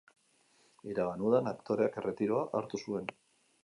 Iragan udan, aktoreak erretiroa hartu zuen.